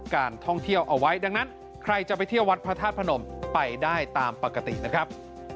การท่องเที่ยวเอาไว้ดังนั้นใครจะไปเที่ยววัดพระธาตุพนมไปได้ตามปกตินะครับ